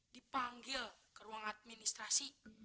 dipanggil ke ruang administrasi